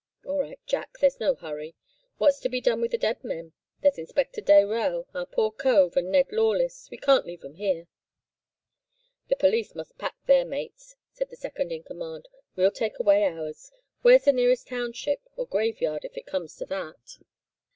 "'All right, Jack, there's no hurry. What's to be done with the dead men? There's Inspector Dayrell, our poor cove, and Ned Lawless. We can't leave 'em here.' "'The police must pack their mates,' said the second in command, 'we'll take away ours. Where's the nearest township, or graveyard, if it comes to that?